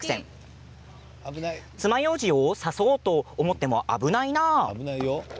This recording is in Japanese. つまようじを刺そうと思っても危ないな。